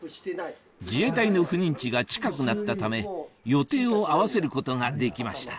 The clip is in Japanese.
自衛隊の赴任地が近くなったため予定を合わせることができました